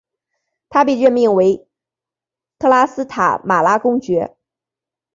他被任命为特拉斯塔马拉公爵。